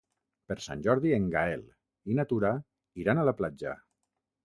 Per Sant Jordi en Gaël i na Tura iran a la platja.